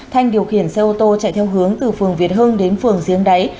thanh điều khiển xe ô tô chạy theo hướng từ phường việt hưng đến phường giếng đáy